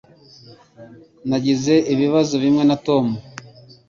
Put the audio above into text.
Nagize ibibazo bimwe na Tom